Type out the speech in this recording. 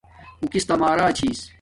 اُو کس تا مارا چھس